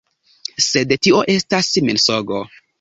Sed tio estas mensogo.